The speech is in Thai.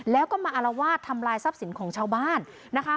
แล้วก็มาอารวาสทำลายทรัพย์สินของชาวบ้านนะคะ